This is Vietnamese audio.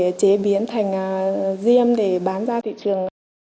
mà tơi tơi ở trong này để chế biến thành diêm để bán ra thị trường